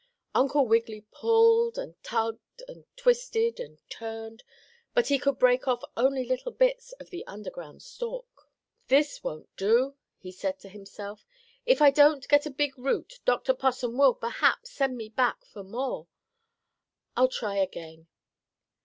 Uncle Wiggily pulled and tugged and twisted and turned, but he could break off only little bits of the underground stalk. "This won't do!" he said to himself. "If I don't get a big root Dr. Possum will, perhaps, send me hack for more. I'll try again."